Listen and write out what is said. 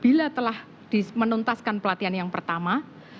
bila telah menuntaskan pelatihan yang pertama